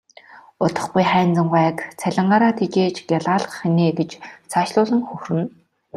Удахгүй Хайнзан гуайг цалингаараа тэжээж гялайлгах нь ээ гэж цаашлуулан хөхөрнө.